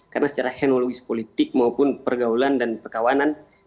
karena secara henologis politik maupun pergaulan dan perkawanan